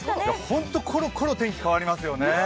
ホントころころ天気変わりますよね。